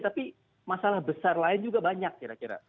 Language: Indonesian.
tapi masalah besar lain juga banyak kira kira